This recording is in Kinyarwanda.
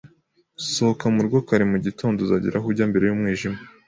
Sohoka mu rugo kare mu gitondo, uzagera aho ujya mbere y'umwijima.